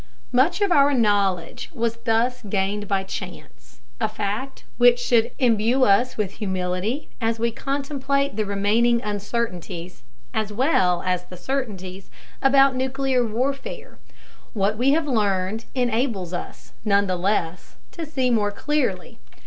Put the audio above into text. Much of our knowledge was thus gained by chance a fact which should imbue us with humility as we contemplate the remaining uncertainties (as well as the certainties) about nuclear warfare. What we have learned enables us, nonetheless, to see more clearly.